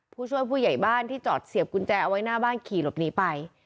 ผู้ช่วยผู้ใหญ่บ้านที่จอดเสียบกุญแจเอาไว้หน้าบ้านขี่หลบหนีไป